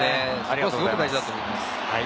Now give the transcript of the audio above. すごく大事だと思います。